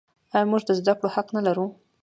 آیا موږ د زده کړې حق نلرو؟